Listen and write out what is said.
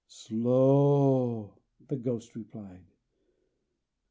"Slow!" the Ghost repeated.